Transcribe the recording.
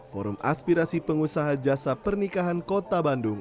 forum aspirasi pengusaha jasa pernikahan kota bandung